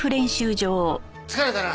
疲れたな。